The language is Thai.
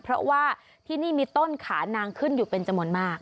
เพราะว่าที่นี่มีต้นขานางขึ้นอยู่เป็นจำนวนมาก